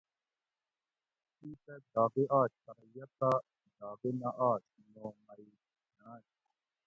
تُو تہ داغی آش پرہ یہ تہ داغی نہ آش نو مئ کھاۤںش